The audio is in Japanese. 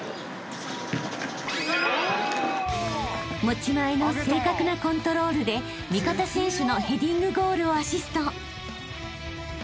［持ち前の正確なコントロールで味方選手のヘディングゴールをアシスト］